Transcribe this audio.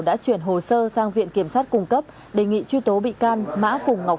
đã chuyển hồ sơ sang viện kiểm sát cung cấp đề nghị truy tố bị can mã phùng ngọc